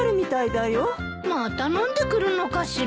また飲んでくるのかしら。